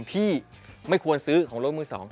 พี่ไม่ควรซื้อของรถมือ๒